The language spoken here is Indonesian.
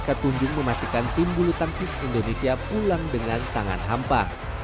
ketika indonesia pulang dengan tangan hampa